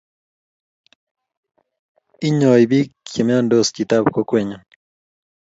Inyoii bik chemnynsot chitap kokwenyu